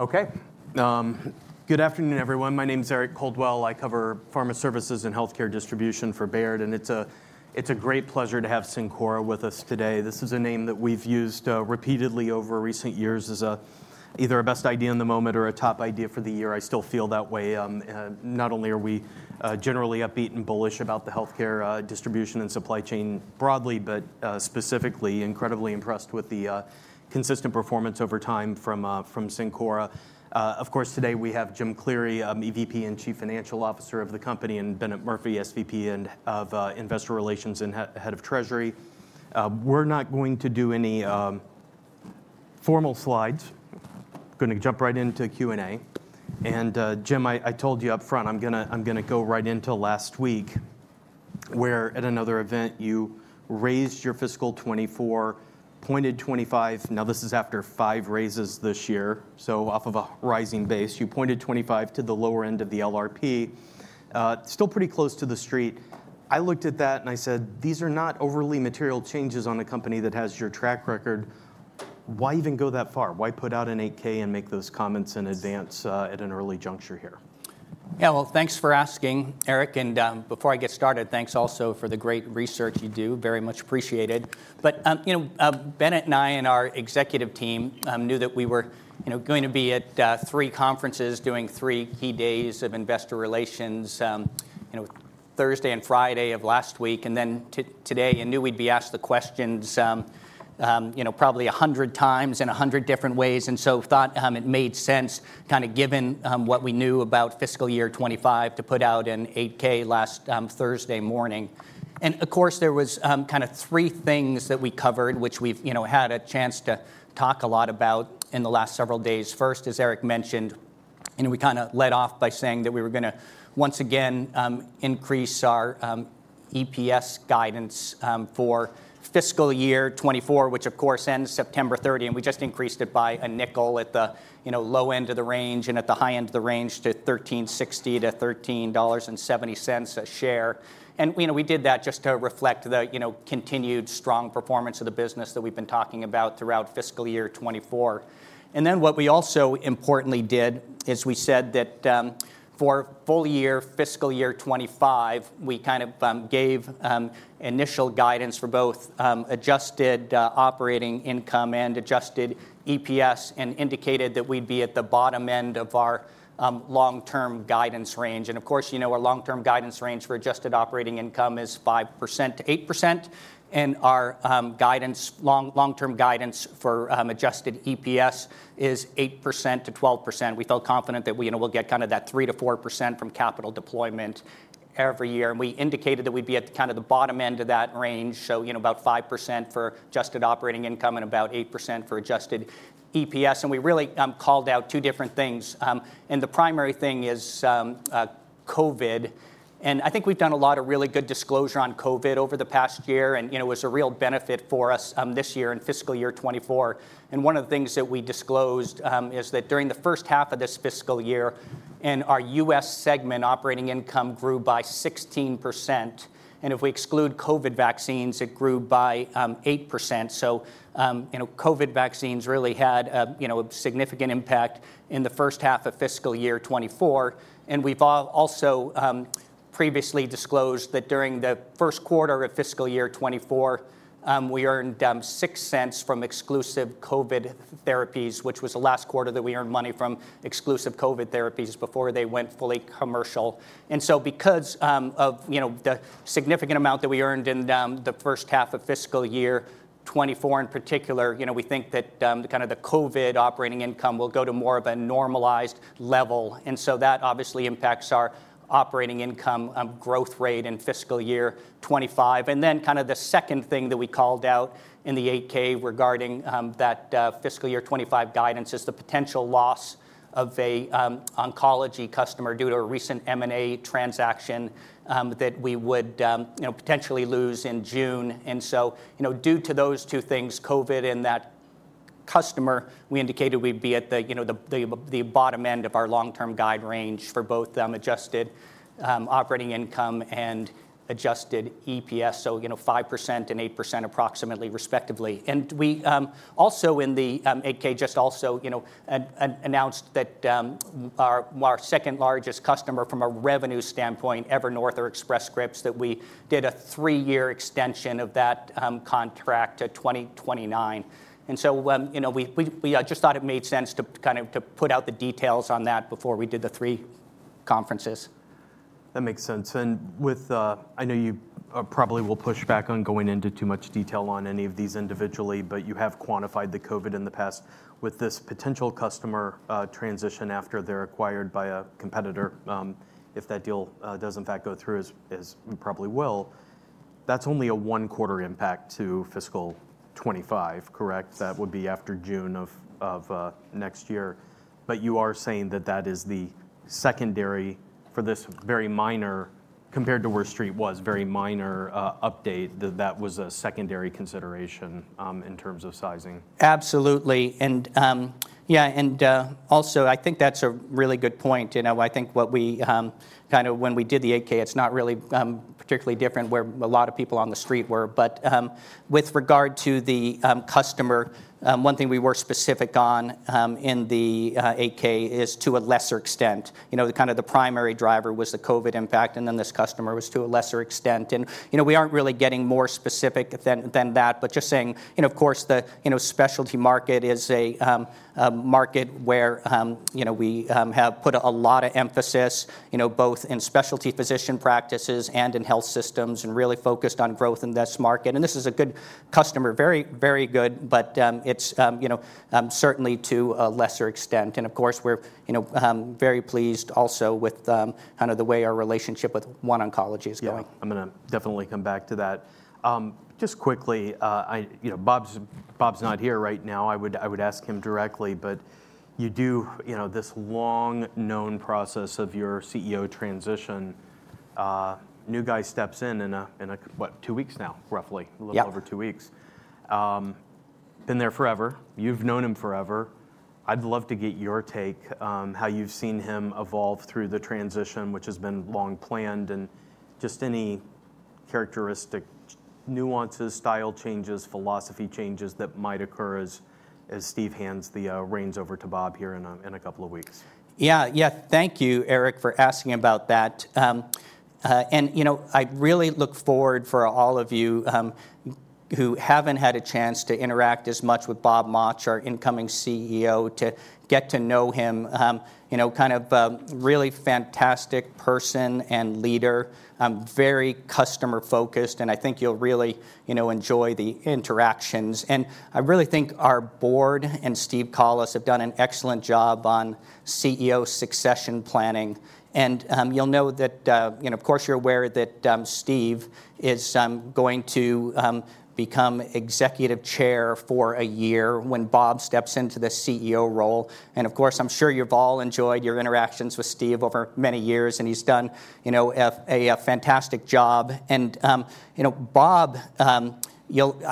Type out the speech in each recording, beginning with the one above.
OK. Good afternoon, everyone. My name is Eric Coldwell. I cover pharma services and healthcare distribution for Baird, and it's a great pleasure to have Cencora with us today. This is a name that we've used repeatedly over recent years as either a best idea in the moment or a top idea for the year. I still feel that way. And not only are we generally upbeat and bullish about the healthcare distribution and supply chain broadly, but specifically incredibly impressed with the consistent performance over time from Cencora. Of course, today we have Jim Cleary, EVP and Chief Financial Officer of the company, and Bennett Murphy, SVP, and of Investor Relations and Head of Treasury. We're not going to do any formal slides. Gonna jump right into Q&A. Jim, I told you up front, I'm gonna go right into last week, where at another event, you raised your fiscal 2024, pointed 2025. Now, this is after five raises this year, so off of a rising base. You pointed 2025 to the lower end of the LRP, still pretty close to the Street. I looked at that, and I said, "These are not overly material changes on a company that has your track record. Why even go that far? Why put out an 8-K and make those comments in advance, at an early juncture here? Yeah, well, thanks for asking, Eric, and, before I get started, thanks also for the great research you do. Very much appreciated. You know, Bennett and I and our executive team knew that we were, you know, going to be at three conferences doing three key days of investor relations, you know, Thursday and Friday of last week, and then today, and knew we'd be asked the questions, you know, probably a hundred times in a hundred different ways. And so thought, it made sense, kind of given, what we knew about fiscal year 2025, to put out an 8-K last Thursday morning. And of course, there was, kind of three things that we covered, which we've, you know, had a chance to talk a lot about in the last several days. First, as Eric mentioned, and we kind of led off by saying that we were gonna, once again, increase our EPS guidance for fiscal year 2024, which of course ends September 30, and we just increased it by $0.05 at the, you know, low end of the range, and at the high end of the range to $13.60-$13.70 a share. And, you know, we did that just to reflect the, you know, continued strong performance of the business that we've been talking about throughout fiscal year 2024. And then what we also importantly did is we said that for full year, fiscal year 2025, we kind of gave initial guidance for both adjusted operating income and adjusted EPS, and indicated that we'd be at the bottom end of our long-term guidance range. And of course, you know, our long-term guidance range for adjusted operating income is 5%-8%, and our long-term guidance for adjusted EPS is 8%-12%. We feel confident that we, you know, we'll get kind of that 3%-4% from capital deployment every year. And we indicated that we'd be at kind of the bottom end of that range, so, you know, about 5% for adjusted operating income and about 8% for adjusted EPS. And we really called out two different things. And the primary thing is COVID. And I think we've done a lot of really good disclosure on COVID over the past year, and, you know, it was a real benefit for us this year in fiscal year 2024. One of the things that we disclosed is that during the first half of this fiscal year, in our U.S. segment, operating income grew by 16%, and if we exclude COVID vaccines, it grew by 8%. So you know, COVID vaccines really had a you know, a significant impact in the first half of fiscal year 2024. And we've also previously disclosed that during the first quarter of fiscal year 2024, we earned $0.06 from exclusive COVID therapies, which was the last quarter that we earned money from exclusive COVID therapies before they went fully commercial. And so because of, you know, the significant amount that we earned in the first half of fiscal year 2024, in particular, you know, we think that the kind of COVID operating income will go to more of a normalized level. And so that obviously impacts our operating income growth rate in fiscal year 2025. And then kind of the second thing that we called out in the 8-K regarding that fiscal year 2025 guidance is the potential loss of an oncology customer due to a recent M&A transaction that we would, you know, potentially lose in June. And so, you know, due to those two things, COVID and that customer, we indicated we'd be at the, you know, the bottom end of our long-term guide range for both, adjusted operating income and adjusted EPS, so, you know, 5% and 8% approximately, respectively. And we also in the 8-K, just also, you know, announced that our second-largest customer from a revenue standpoint, Evernorth or Express Scripts, that we did a three-year extension of that contract to 2029. And so, you know, we just thought it made sense to kind of put out the details on that before we did the three conferences. That makes sense. And with... I know you probably will push back on going into too much detail on any of these individually, but you have quantified the COVID in the past with this potential customer transition after they're acquired by a competitor. If that deal does in fact go through, as it probably will, that's only a one-quarter impact to fiscal 2025, correct? That would be after June of next year. But you are saying that that is the secondary for this very minor-... compared to where Street was, very minor update, that that was a secondary consideration in terms of sizing? Absolutely. And yeah, also I think that's a really good point. You know, I think what we kind of when we did the 8-K, it's not really particularly different where a lot of people on the Street were. But with regard to the customer, one thing we were specific on in the 8-K is to a lesser extent. You know, the kind of primary driver was the COVID impact, and then this customer was to a lesser extent. You know, we aren't really getting more specific than that, but just saying, you know, of course, the specialty market is a market where you know we have put a lot of emphasis, you know, both in specialty physician practices and in health systems, and really focused on growth in this market. And this is a good customer. Very, very good, but it's you know certainly to a lesser extent, and of course, we're you know very pleased also with kind of the way our relationship with OneOncology is going. Yeah, I'm gonna definitely come back to that. Just quickly, you know, Bob's not here right now. I would ask him directly, but you do know this long-known process of your CEO transition. New guy steps in in about two weeks now, roughly. Yeah. A little over two weeks. Been there forever. You've known him forever. I'd love to get your take, how you've seen him evolve through the transition, which has been long planned, and just any characteristic nuances, style changes, philosophy changes that might occur as Steve hands the reins over to Bob here in a couple of weeks. Yeah, yeah. Thank you, Eric, for asking about that. And, you know, I really look forward for all of you, who haven't had a chance to interact as much with Bob Mauch, our incoming CEO, to get to know him. You know, kind of a really fantastic person and leader, very customer focused, and I think you'll really, you know, enjoy the interactions. And I really think our board and Steve Collis have done an excellent job on CEO succession planning. And, you'll know that... You know, of course, you're aware that, Steve is, going to, become Executive Chair for a year when Bob steps into the CEO role. And of course, I'm sure you've all enjoyed your interactions with Steve over many years, and he's done, you know, a fantastic job. And, you know, Bob, you'll...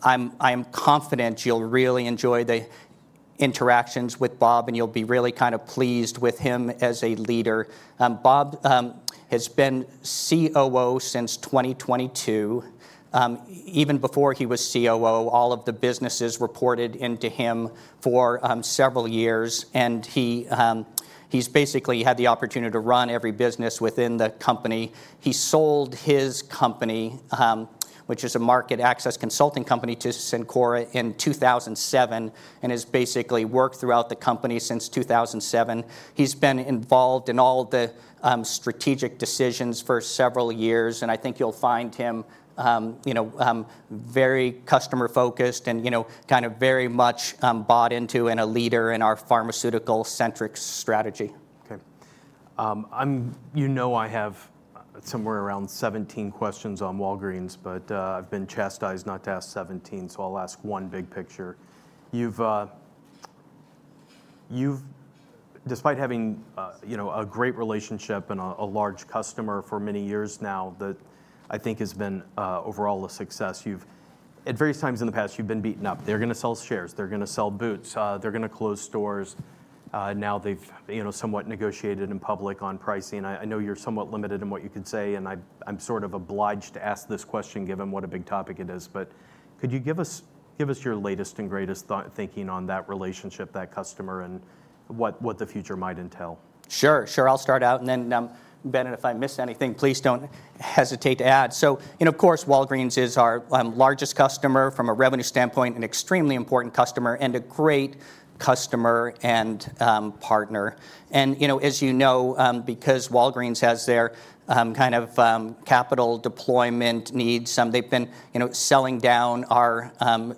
I'm confident you'll really enjoy the interactions with Bob, and you'll be really kind of pleased with him as a leader. Bob has been COO since 2022. Even before he was COO, all of the businesses reported into him for several years, and he's basically had the opportunity to run every business within the company. He sold his company, which is a market access consulting company, to Cencora in 2007, and has basically worked throughout the company since 2007. He's been involved in all the strategic decisions for several years, and I think you'll find him you know very customer focused and, you know, kind of very much bought into and a leader in our pharmaceutical-centric strategy. Okay. You know I have somewhere around 17 questions on Walgreens, but I've been chastised not to ask 17, so I'll ask one big picture. You've, you've... Despite having a, you know, a great relationship and a, a large customer for many years now, that I think has been, overall a success. You've, at various times in the past, you've been beaten up. They're gonna sell shares, they're gonna sell Boots, they're gonna close stores, now they've, you know, somewhat negotiated in public on pricing. I know you're somewhat limited in what you can say, and I'm sort of obliged to ask this question, given what a big topic it is. But could you give us, give us your latest and greatest thinking on that relationship, that customer, and what the future might entail? Sure, sure. I'll start out, and then, Bennett, if I miss anything, please don't hesitate to add. So, you know, of course, Walgreens is our largest customer from a revenue standpoint, an extremely important customer, and a great customer and partner. And, you know, as you know, because Walgreens has their kind of capital deployment needs, they've been, you know, selling down our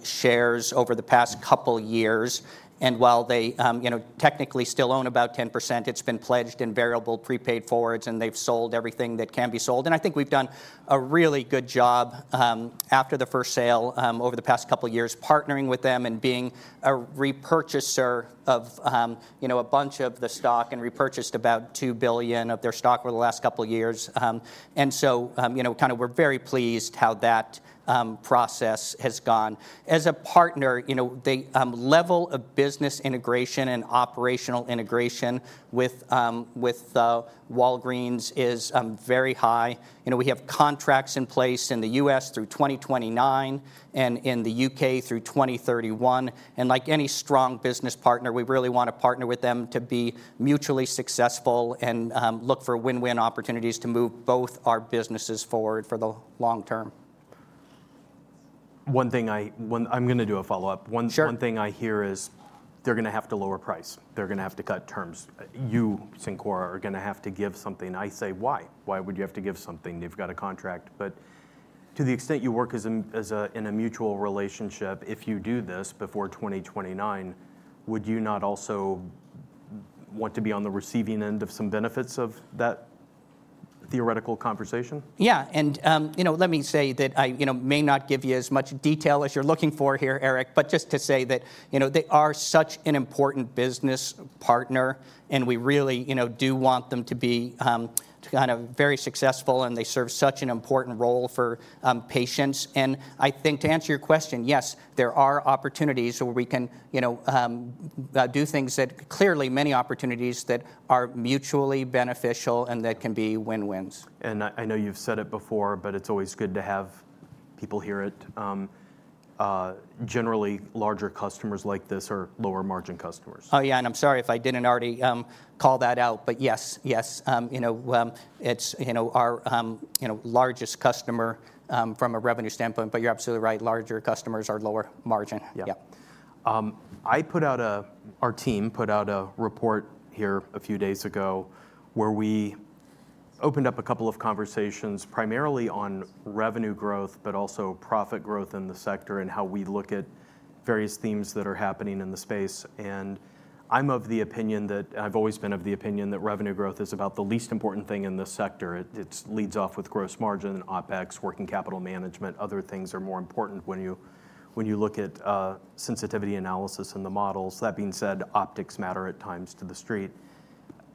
shares over the past couple years. And while they, you know, technically still own about 10%, it's been pledged in variable prepaid forwards, and they've sold everything that can be sold. And I think we've done a really good job after the first sale over the past couple of years partnering with them and being a repurchaser of you know a bunch of the stock and repurchased about $2 billion of their stock over the last couple of years, and so you know kind of we're very pleased how that process has gone. As a partner you know the level of business integration and operational integration with Walgreens is very high. You know we have contracts in place in the U.S. through 2029 and in the U.K. through 2031, and like any strong business partner we really want to partner with them to be mutually successful and look for win-win opportunities to move both our businesses forward for the long term. One thing. I'm gonna do a follow-up. Sure. One thing I hear is they're gonna have to lower price. They're gonna have to cut terms. You, Cencora, are gonna have to give something. I say, why? Why would you have to give something? You've got a contract, but to the extent you work as a in a mutual relationship, if you do this before 2029, would you not also want to be on the receiving end of some benefits of that theoretical conversation? Yeah, and, you know, let me say that I, you know, may not give you as much detail as you're looking for here, Eric, but just to say that, you know, they are such an important business partner, and we really, you know, do want them to be kind of very successful, and they serve such an important role for patients, and I think to answer your question, yes, there are opportunities where we can, you know, do things that clearly many opportunities that are mutually beneficial and that can be win-wins. I know you've said it before, but it's always good to have people hear it. Generally, larger customers like this are lower-margin customers. Oh, yeah, and I'm sorry if I didn't already call that out, but yes, yes. You know, it's you know, our you know, largest customer from a revenue standpoint, but you're absolutely right, larger customers are lower margin. Yeah. Yeah. Our team put out a report here a few days ago, where we opened up a couple of conversations, primarily on revenue growth, but also profit growth in the sector and how we look at various themes that are happening in the space, and I'm of the opinion that... I've always been of the opinion that revenue growth is about the least important thing in this sector. It leads off with gross margin, OpEx, working capital management. Other things are more important when you look at sensitivity analysis and the models. That being said, optics matter at times to the Street.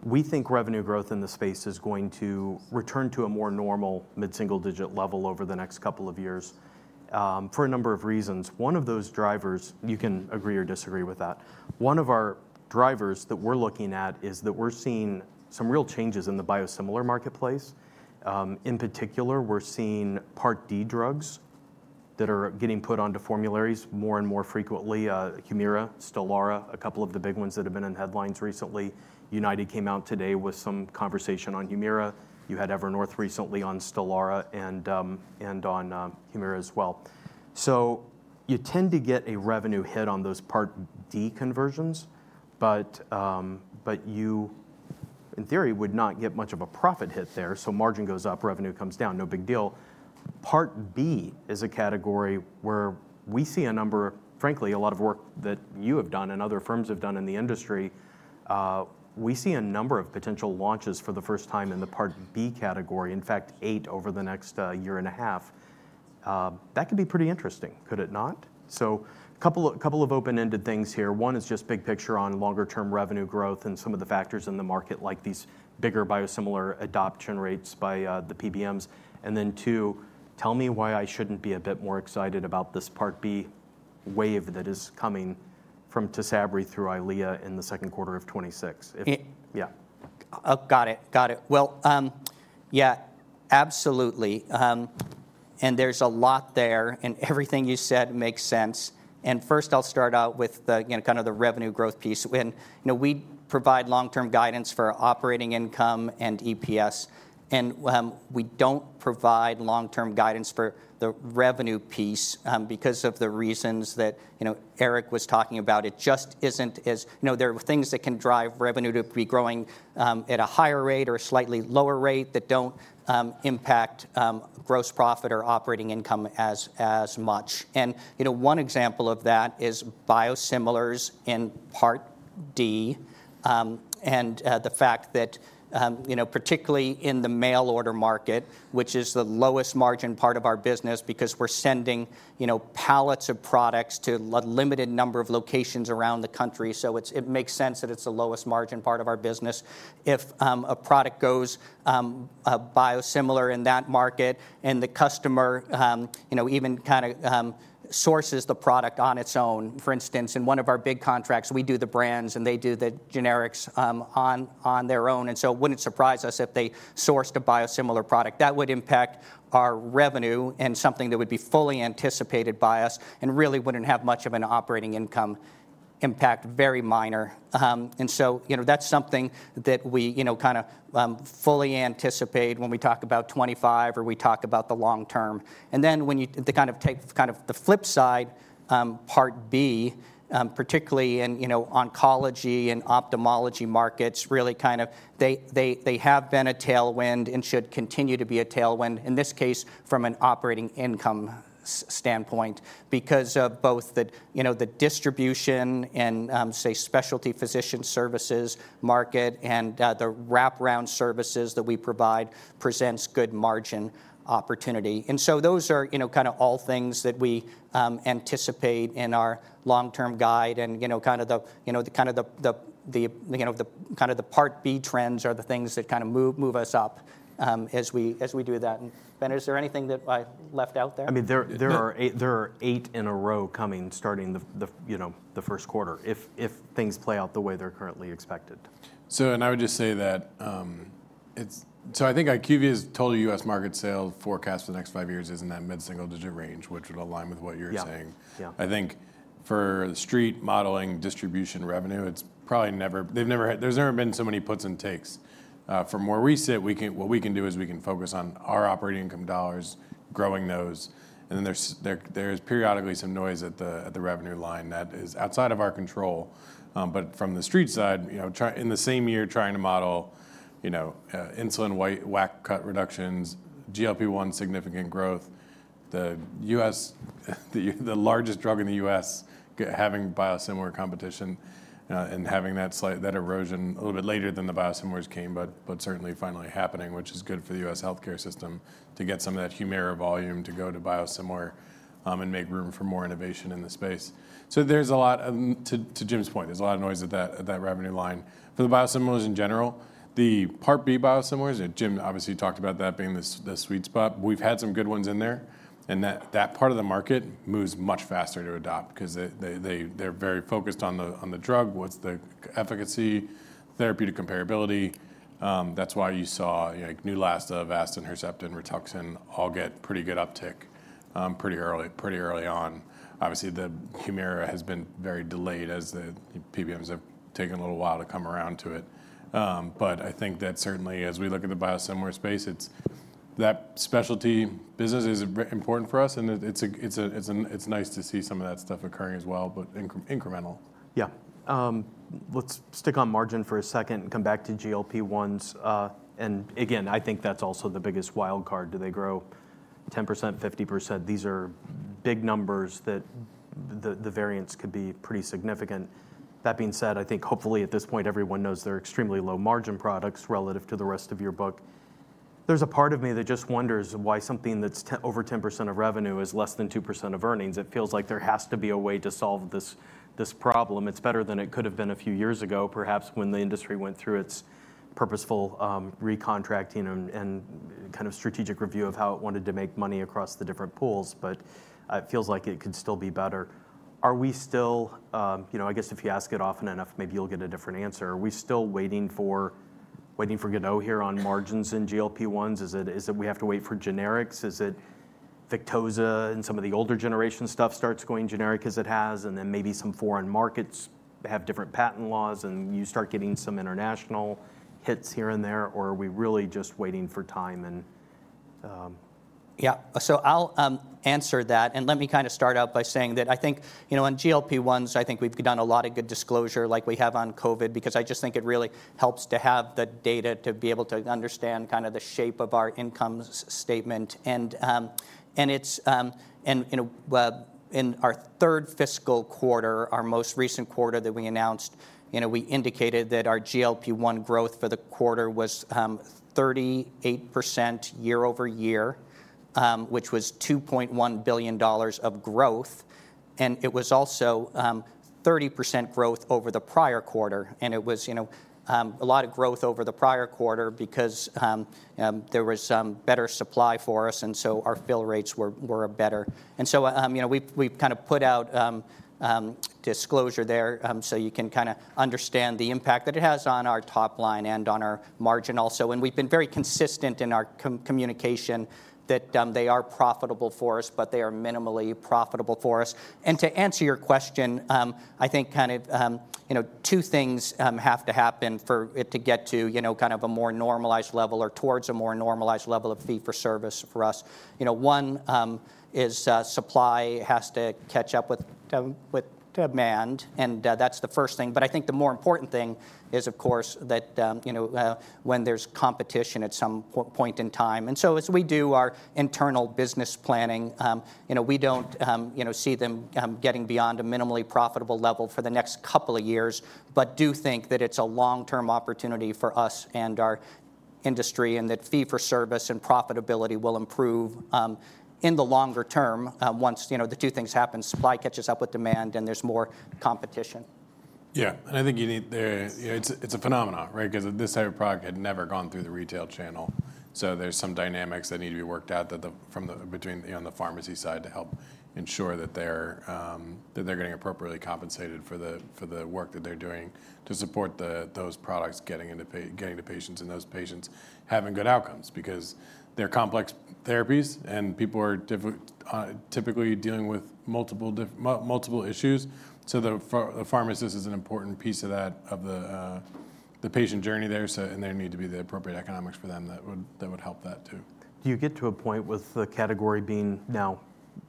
We think revenue growth in the space is going to return to a more normal mid-single-digit level over the next couple of years, for a number of reasons. One of those drivers, you can agree or disagree with that. One of our drivers that we're looking at is that we're seeing some real changes in the biosimilar marketplace. In particular, we're seeing Part D drugs that are getting put onto formularies more and more frequently. Humira, Stelara, a couple of the big ones that have been in headlines recently. United came out today with some conversation on Humira. You had Evernorth recently on Stelara and on Humira as well. So you tend to get a revenue hit on those Part D conversions, but you, in theory, would not get much of a profit hit there, so margin goes up, revenue comes down, no big deal. Part B is a category where we see a number, frankly, a lot of work that you have done and other firms have done in the industry. We see a number of potential launches for the first time in the Part B category, in fact, eight over the next year and a half. That could be pretty interesting, could it not? So couple of open-ended things here. One is just big picture on longer-term revenue growth and some of the factors in the market, like these bigger biosimilar adoption rates by the PBMs. And then, two, tell me why I shouldn't be a bit more excited about this Part B wave that is coming from Tysabri through Eylea in the second quarter of 2026. If- It- Yeah. Oh, got it. Well, yeah, absolutely. And there's a lot there, and everything you said makes sense. First, I'll start out with the, you know, kind of the revenue growth piece. You know, we provide long-term guidance for operating income and EPS, and we don't provide long-term guidance for the revenue piece, because of the reasons that, you know, Eric was talking about. It just isn't as. You know, there are things that can drive revenue to be growing, at a higher rate or a slightly lower rate that don't impact gross profit or operating income as much. And you know, one example of that is biosimilars in Part D, and the fact that you know, particularly in the mail order market, which is the lowest margin part of our business, because we're sending you know, pallets of products to a limited number of locations around the country. So it makes sense that it's the lowest margin part of our business. If a product goes biosimilar in that market, and the customer you know, even kind of sources the product on its own. For instance, in one of our big contracts, we do the brands, and they do the generics on their own, and so it wouldn't surprise us if they sourced a biosimilar product. That would impact our revenue and something that would be fully anticipated by us and really wouldn't have much of an operating income impact, very minor. And so, you know, that's something that we, you know, kind of, fully anticipate when we talk about 2025 or we talk about the long term. And then when you-- they kind of take kind of the flip side, Part B, particularly in, you know, oncology and ophthalmology markets, really kind of, they have been a tailwind and should continue to be a tailwind, in this case, from an operating income standpoint, because of both the, you know, the distribution and, say, specialty physician services market and, the wraparound services that we provide presents good margin opportunity. And so those are, you know, kind of all things that we, anticipate in our long-term guide. And, you know, kind of the Part B trends are the things that kind of move us up, as we do that. And, Ben, is there anything that I left out there? I mean, there are eight in a row coming, starting, you know, the first quarter, if things play out the way they're currently expected. And I would just say that, it's so I think IQVIA's total U.S. market sales forecast for the next five years is in that mid-single-digit range, which would align with what you're saying. Yeah, yeah. I think for the Street modeling distribution revenue, it's probably never been so many puts and takes. From where we sit, what we can do is we can focus on our operating income dollars, growing those, and then there's periodically some noise at the revenue line that is outside of our control. But from the Street side, you know, in the same year, trying to model, you know, insulin wide WAC cut reductions, GLP-1 significant growth. In the U.S., the largest drug in the U.S. having biosimilar competition, and having that slight erosion a little bit later than the biosimilars came, but certainly finally happening, which is good for the U.S. healthcare system to get some of that Humira volume to go to biosimilar, and make room for more innovation in the space. So there's a lot to Jim's point, there's a lot of noise at that revenue line. For the biosimilars in general, the Part B biosimilars, and Jim obviously talked about that being the sweet spot. We've had some good ones in there, and that part of the market moves much faster to adopt because they're very focused on the drug, what's the efficacy, therapeutic comparability. That's why you saw, you know, Neulasta, Avastin, Herceptin, Rituxan, all get pretty good uptick, pretty early, pretty early on. Obviously, the Humira has been very delayed as the PBMs have taken a little while to come around to it. But I think that certainly, as we look at the biosimilar space, it's... That specialty business is very important for us, and it's nice to see some of that stuff occurring as well, but incremental. Yeah. Let's stick on margin for a second and come back to GLP-1s, and again, I think that's also the biggest wild card. Do they grow 10%, 50%? These are big numbers that the variance could be pretty significant. That being said, I think hopefully, at this point, everyone knows they're extremely low-margin products relative to the rest of your book. There's a part of me that just wonders why something that's over 10% of revenue is less than 2% of earnings. It feels like there has to be a way to solve this problem. It's better than it could have been a few years ago, perhaps when the industry went through its purposeful recontracting and kind of strategic review of how it wanted to make money across the different pools, but it feels like it could still be better. Are we still? You know, I guess if you ask it often enough, maybe you'll get a different answer. Are we still waiting for go no higher on margins in GLP-1s? Is it we have to wait for generics? Is it Victoza, and some of the older generation stuff starts going generic as it has, and then maybe some foreign markets have different patent laws, and you start getting some international hits here and there, or are we really just waiting for time and, Yeah. So I'll answer that, and let me kind of start out by saying that I think, you know, on GLP-1s, I think we've done a lot of good disclosure like we have on COVID, because I just think it really helps to have the data to be able to understand kind of the shape of our income statement. And, and it's... And, you know, well, in our third fiscal quarter, our most recent quarter that we announced, you know, we indicated that our GLP-1 growth for the quarter was 38% year-over-year, which was $2.1 billion of growth, and it was also 30% growth over the prior quarter. And it was, you know, a lot of growth over the prior quarter because there was better supply for us, and so our fill rates were better. And so, you know, we've kind of put out disclosure there, so you can kind of understand the impact that it has on our top line and on our margin also. And we've been very consistent in our communication that they are profitable for us, but they are minimally profitable for us. And to answer your question, I think kind of, you know, two things have to happen for it to get to, you know, kind of a more normalized level or towards a more normalized level of fee for service for us. You know, one is supply has to catch up with demand, and that's the first thing. But I think the more important thing is, of course, that you know when there's competition at some point in time. And so as we do our internal business planning, you know, we don't you know see them getting beyond a minimally profitable level for the next couple of years, but do think that it's a long-term opportunity for us and our industry, and that fee for service and profitability will improve in the longer term once you know the two things happen, supply catches up with demand, and there's more competition. Yeah, and I think you need. It's a phenomenon, right? Because this type of product had never gone through the retail channel, so there's some dynamics that need to be worked out between you know the pharmacy side to help ensure that they're getting appropriately compensated for the work that they're doing to support those products getting to patients, and those patients having good outcomes. Because they're complex therapies, and people are typically dealing with multiple issues, so the pharmacist is an important piece of that, of the patient journey there. So, and there need to be the appropriate economics for them that would help that too. Do you get to a point with the category being now,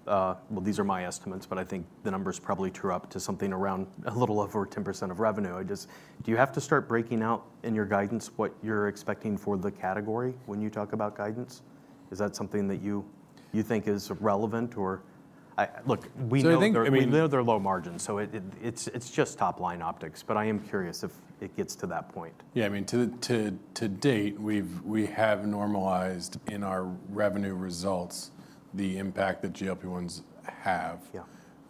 well, these are my estimates, but I think the number's probably true up to something around a little over 10% of revenue. I just... Do you have to start breaking out in your guidance, what you're expecting for the category when you talk about guidance? Is that something that you think is relevant? Or I... Look, we know- So, I think, I mean-... we know they're low margin, so it, it's just top-line optics, but I am curious if it gets to that point. Yeah, I mean, to date, we have normalized in our revenue results, the impact that GLP-1s have. Yeah.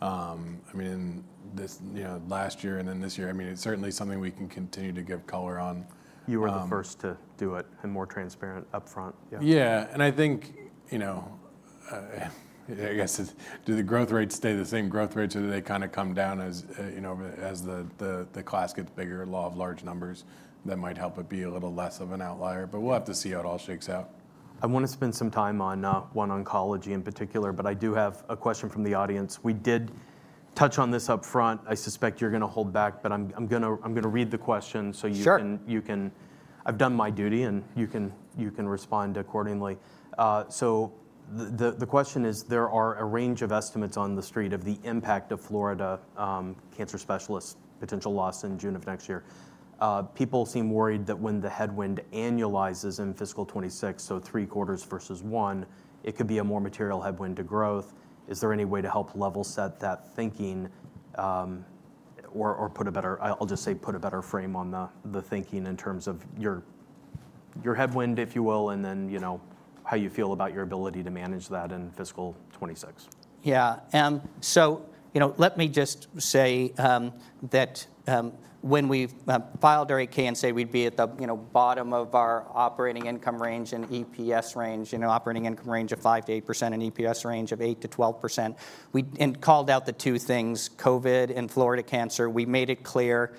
I mean, this, you know, last year and then this year, I mean, it's certainly something we can continue to give color on. You were the first to do it, and more transparent upfront. Yeah. Yeah, and I think, you know, I guess, do the growth rates stay the same growth rates, or do they kind of come down as, you know, as the class gets bigger, law of large numbers, that might help it be a little less of an outlier, but we'll have to see how it all shakes out. I want to spend some time on OneOncology in particular, but I do have a question from the audience. We did touch on this upfront. I suspect you're going to hold back, but I'm gonna read the question so you can- Sure... you can- I've done my duty, and you can respond accordingly. So the question is, there are a range of estimates on the Street of the impact of Florida Cancer Specialists' potential loss in June of next year. People seem worried that when the headwind annualizes in fiscal 2026, so three quarters versus one, it could be a more material headwind to growth. Is there any way to help level set that thinking, or put a better, I'll just say, put a better frame on the thinking in terms of your headwind, if you will, and then, you know, how you feel about your ability to manage that in fiscal 2026. Yeah, so, you know, let me just say, that, when we filed our 8-K and said we'd be at the, you know, bottom of our operating income range and EPS range, you know, operating income range of 5%-8% and EPS range of 8%-12%, we and called out the two things, COVID and Florida Cancer. We made it clear,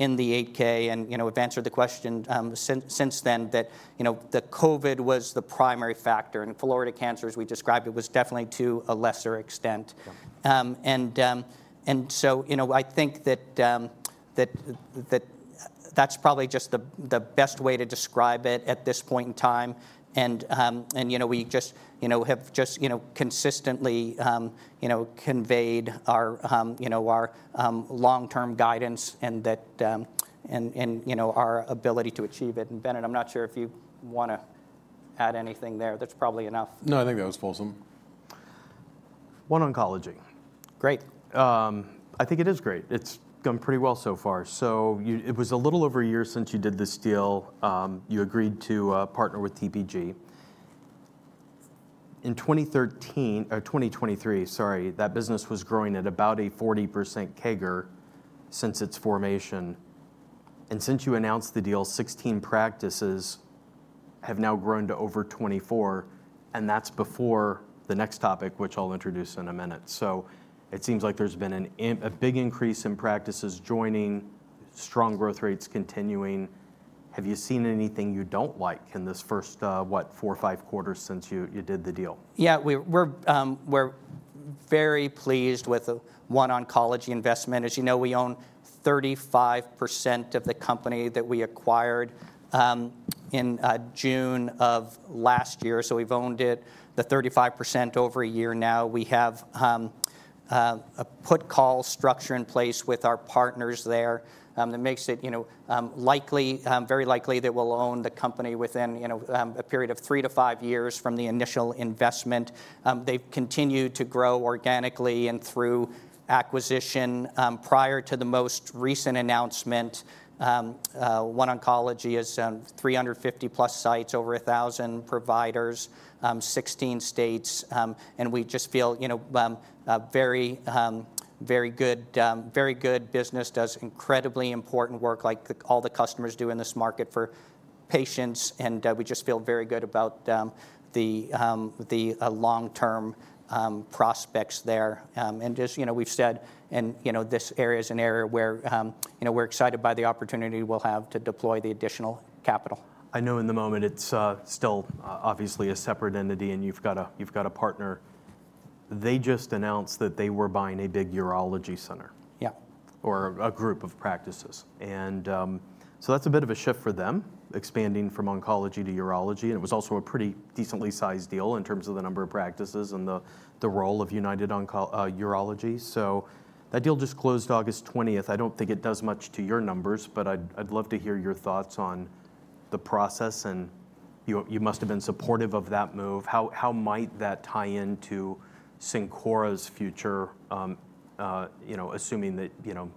in the 8-K, and, you know, we've answered the question, since then, that, you know, that COVID was the primary factor, and Florida Cancer, as we described it, was definitely to a lesser extent. Yeah. And so, you know, I think that that's probably just the best way to describe it at this point in time. And, you know, we just, you know, have just, you know, consistently, you know, conveyed our, you know, our long-term guidance and that... And, you know, our ability to achieve it. And, Bennett, I'm not sure if you wanna add anything there. That's probably enough. No, I think that was fulsome. OneOncology. Great. I think it is great. It's gone pretty well so far. It was a little over a year since you did this deal, you agreed to partner with TPG. In 2013, or 2023, sorry, that business was growing at about a 40% CAGR since its formation. And since you announced the deal, 16 practices have now grown to over 24, and that's before the next topic, which I'll introduce in a minute. So it seems like there's been a big increase in practices joining, strong growth rates continuing. Have you seen anything you don't like in this first, what, four or five quarters since you did the deal? Yeah, we're very pleased with the OneOncology investment. As you know, we own 35% of the company that we acquired in June of last year, so we've owned it, the 35%, over a year now. We have a put call structure in place with our partners there that makes it, you know, very likely that we'll own the company within, you know, a period of three to five years from the initial investment. They've continued to grow organically and through acquisition. Prior to the most recent announcement, OneOncology has 350+ sites, over 1,000 providers, 16 states, and we just feel, you know, a very, very good business, does incredibly important work like all the customers do in this market for patients. And, we just feel very good about the long-term prospects there. And as you know, we've said, and you know, this area is an area where you know, we're excited by the opportunity we'll have to deploy the additional capital. I know in the moment it's still obviously a separate entity, and you've got a, you've got a partner. They just announced that they were buying a big urology center- Yeah... or a group of practices. And, so that's a bit of a shift for them, expanding from oncology to urology, and it was also a pretty decently sized deal in terms of the number of practices and the role of United Urology. So that deal just closed August 20th. I don't think it does much to your numbers, but I'd love to hear your thoughts on the process, and you must have been supportive of that move. How might that tie into Cencora's future, you know, assuming that, you know,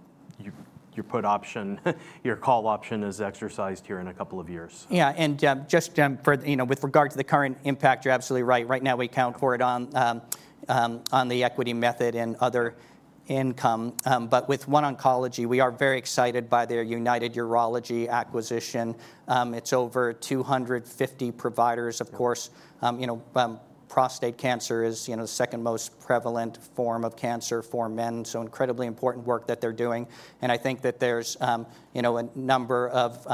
your put option, your call option is exercised here in a couple of years? Yeah, and, just, for, you know, with regard to the current impact, you're absolutely right. Right now, we count for it on the equity method and other income. But with OneOncology, we are very excited by their United Urology acquisition. It's over 250 providers. Yeah. Of course, you know, prostate cancer is, you know, the second most prevalent form of cancer for men, so incredibly important work that they're doing, and I think that there's, you know, a number of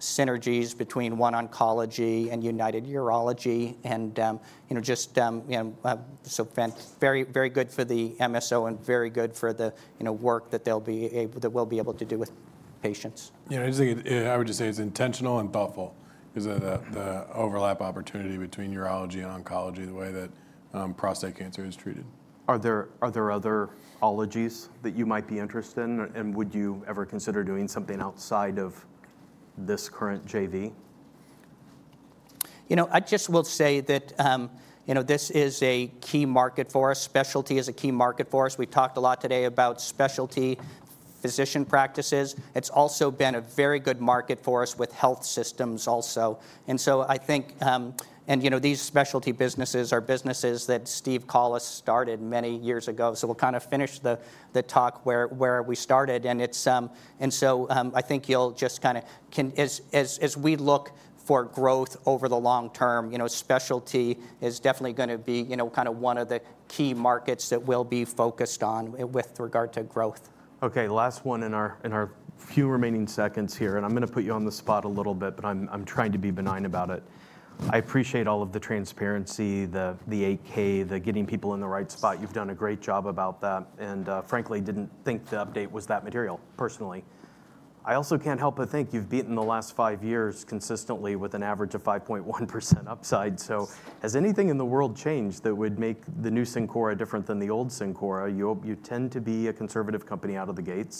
synergies between OneOncology and United Urology and, you know, just, you know, very, very good for the MSO and very good for the, you know, work that we'll be able to do with patients. You know, I just think it, I would just say it's intentional and thoughtful because of the- Mm-hmm... the overlap opportunity between urology and oncology, the way that, prostate cancer is treated. Are there other ologies that you might be interested in, and would you ever consider doing something outside of this current JV? You know, I just will say that, you know, this is a key market for us. Specialty is a key market for us. We talked a lot today about specialty physician practices. It's also been a very good market for us with health systems also, and so I think, and you know, these specialty businesses are businesses that Steve Collis started many years ago, so we'll kind of finish the talk where we started, and so I think you'll just kind of, as we look for growth over the long term, you know, specialty is definitely gonna be, you know, kind of one of the key markets that we'll be focused on with regard to growth. Okay, last one in our few remaining seconds here, and I'm gonna put you on the spot a little bit, but I'm trying to be benign about it. I appreciate all of the transparency, the 8-K, the getting people in the right spot. You've done a great job about that, and frankly, didn't think the update was that material, personally. I also can't help but think you've beaten the last five years consistently with an average of 5.1% upside. So has anything in the world changed that would make the new Cencora different than the old Cencora? You tend to be a conservative company out of the gates.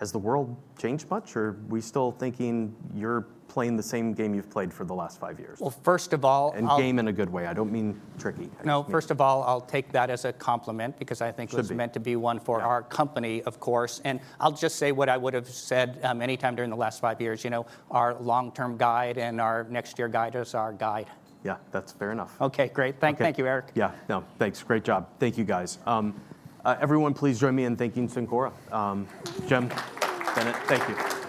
Has the world changed much, or are we still thinking you're playing the same game you've played for the last five years? First of all, I'll- And game in a good way, I don't mean tricky. No, first of all, I'll take that as a compliment because I think- Should be... it was meant to be one for- Yeah... our company, of course, and I'll just say what I would've said, anytime during the last five years, you know, our long-term guide and our next year guide is our guide. Yeah, that's fair enough. Okay, great. Okay. Thank you, Eric. Yeah, no, thanks. Great job. Thank you, guys. Everyone, please join me in thanking Cencora. Jim, Bennett, thank you.